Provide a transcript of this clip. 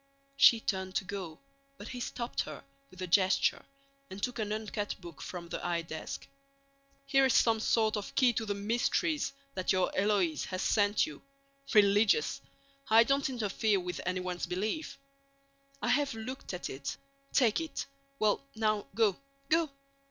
She turned to go, but he stopped her with a gesture and took an uncut book from the high desk. "Here is some sort of Key to the Mysteries that your Héloïse has sent you. Religious! I don't interfere with anyone's belief... I have looked at it. Take it. Well, now go. Go."